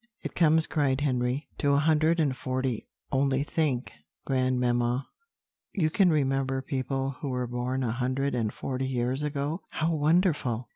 "It comes," cried Henry, "to a hundred and forty; only think, grandmamma, you can remember people who were born a hundred and forty years ago: how wonderful!"